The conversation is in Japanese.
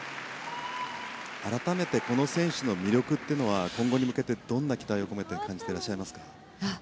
改めてこの選手の魅力は今後に向けてどんな期待を込めて感じていらっしゃいますか？